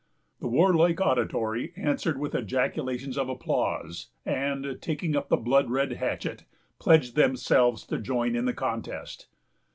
The warlike auditory answered with ejaculations of applause, and, taking up the blood red hatchet, pledged themselves to join in the contest.